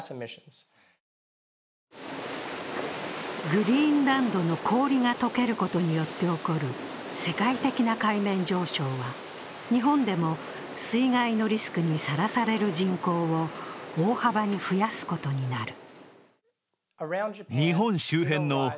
グリーンランドの氷が解けることによって起こる世界的な海面上昇は日本でも水害のリスクにさらされる人口を大幅に増やすことになる。